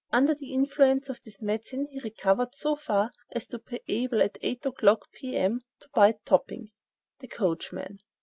Under the influence of this medicine he recovered so far as to be able, at eight o'clock, p.m., to bite Topping (the coachman).